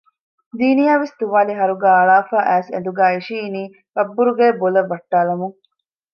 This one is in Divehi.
ޒިނިޔާވެސް ތުވާލި ހަރުގައި އަޅާފައި އައިސް އެނދުގައި އިށިއިނީ ވަށްބުރުގާއެއް ބޮލަށް ވައްޓާލަމުން